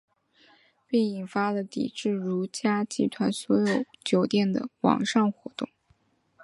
并引发了抵制如家集团所有酒店的网上活动。